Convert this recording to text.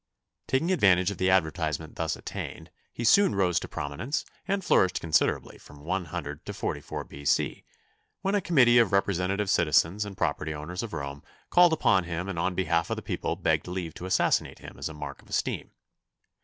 Taking advantage of the advertisement thus attained, he soon rose to prominence and flourished considerably from 100 to 44 B. C., when a committee of representative citizens and property owners of Rome called upon him and on behalf of the people begged leave to assassinate him as a mark of esteem.